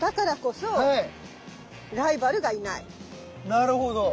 なるほど。